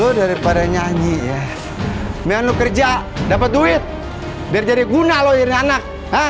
lu daripada nyanyi ya menuker jahat dapat duit biar jadi guna loir anak